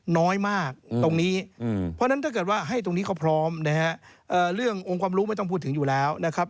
น้อยมากตรงนี้เพราะฉะนั้นถ้าเกิดว่าให้ตรงนี้เขาพร้อมนะฮะเรื่ององค์ความรู้ไม่ต้องพูดถึงอยู่แล้วนะครับ